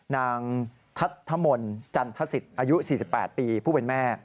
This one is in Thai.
นางทัศธมนต์จันทศิษย์อายุ๔๘ปีผู้เป็นแม่